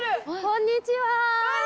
・こんにちは！